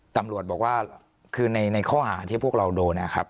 ตำรวจบอกว่าคือในข้อหาที่พวกเราโดนนะครับ